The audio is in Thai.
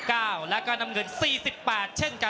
รอคะแนนจากอาจารย์สมาร์ทจันทร์คล้อยสักครู่หนึ่งนะครับ